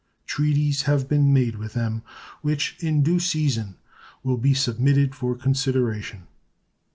Treaties have been made with them, which in due season will be submitted for consideration.